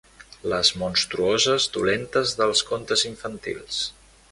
Les monstruoses dolentes dels contes infantils.